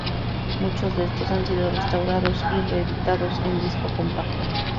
Muchos de estos han sido restaurados y reeditados en Disco Compacto.